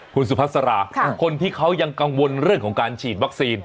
คุณสุภาษาคนที่เขายังกังวลเรื่องของการฉีดวัคซีน